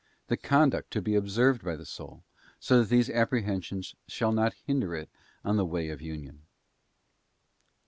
The conduct to be observed by the soul, so that these apprehensions shall not hinder it on the Way of Union.